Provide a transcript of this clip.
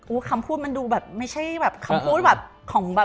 คำพูดมันดูแบบไม่ใช่แบบคำพูดแบบของแบบ